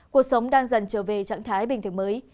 cuộc sống đang dần trở về trạng thái bình thường mới